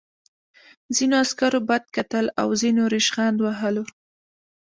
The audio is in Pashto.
ځینو عسکرو بد کتل او ځینو ریشخند وهلو